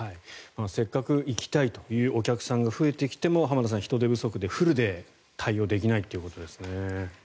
せっかく行きたいというお客さんが増えてきても浜田さん、人手不足フルで対応できないということですね。